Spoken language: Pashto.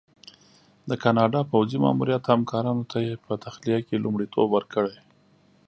د کاناډا پوځي ماموریت همکارانو ته یې په تخلیه کې لومړیتوب ورکړی.